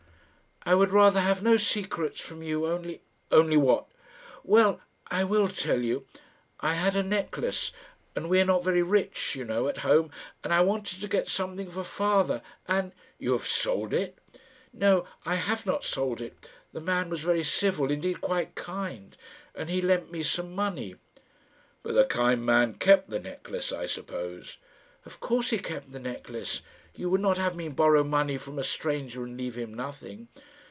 "I would rather have no secrets from you, only " "Only what?" "Well; I will tell you. I had a necklace; and we are not very rich, you know, at home; and I wanted to get something for father, and " "You have sold it?" "No; I have not sold it. The man was very civil, indeed quite kind, and he lent me some money." "But the kind man kept the necklace, I suppose." "Of course he kept the necklace. You would not have me borrow money from a stranger, and leave him nothing?"